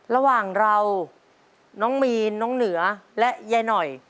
ระหว่างเราน้องมีนน้องเหนือและยายหน่อย